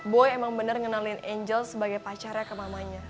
boy emang bener ngenalin angel sebagai pacarnya ke mamanya